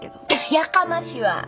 やかましわ！